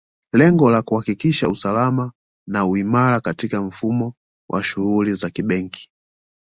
Lengo la kuhakikisha usalama na uimara katika mfumo wa shughuli za kibenki